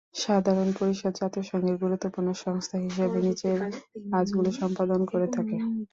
সাধারণ পরিষদ জাতিসংঘের গুরুত্বপূর্ণ সংস্থা হিসেবে নিচের কাজগুলো সম্পাদন করে থাকে।